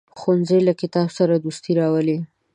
ښوونځی له کتاب سره دوستي راولي